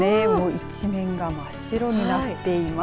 一面が真っ白になっています。